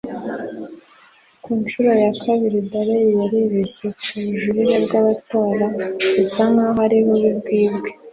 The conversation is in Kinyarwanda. Ku nshuro ya kabiri Daley yari yaribeshye ku bujurire bw'abatora busa nkaho ari bubi, bwibwe,